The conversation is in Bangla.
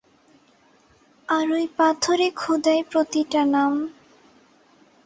আর ঐ পাথরে খোদাই প্রতিটা নাম।